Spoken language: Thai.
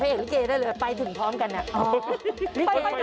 พรุงกระถินถึงโบสถ์โดยสวัสดีภาพแล้ว